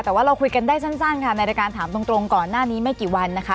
แต่ว่าเราคุยกันได้สั้นค่ะในรายการถามตรงก่อนหน้านี้ไม่กี่วันนะคะ